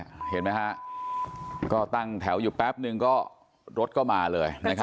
เห็นไหมฮะก็ตั้งแถวอยู่แป๊บนึงก็รถก็มาเลยนะครับ